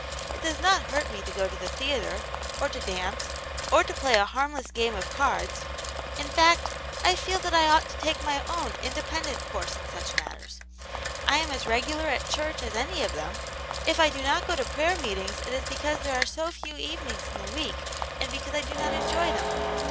It does not hurt me to go to the theatre, or to dance, or to play a harmUss ^'jv.m^ cA c.'^x^%\\^ 26 Aunt Jane's Hero. fact, I feel that I ought to take my own independent course in such matters. I am as regular at church as any of them ; if I do not go to prayer meetings it is because there are so few evenings in the week and because I do not enjoy them.